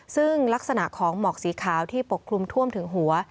ซึ่งลักษณะของหมอกสีขาวที่ปกคลุมท่วมถึงหัว